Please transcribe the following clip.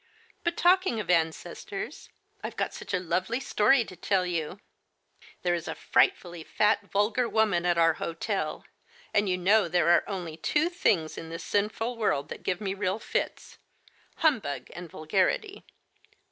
But talking of ancestors, I've got such a lovely story to tell you. There is a frightfully fat, vulgar woman at our hotel, and you know there are only two things in this sinful world that give me real fits — humbug and vulgarity.